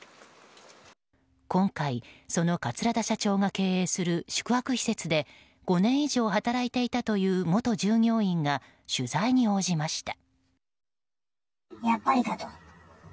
今回、その桂田社長が経営する宿泊施設で５年以上働いていたという元従業員が取材に応じました。